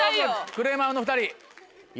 クレーマーの２人。